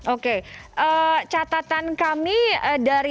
oke catatan kami dari dua ribu tujuh belas